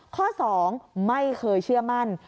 ข้อ๒ไม่เคยเชื่อมั่น